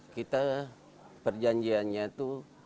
kita perjanjiannya itu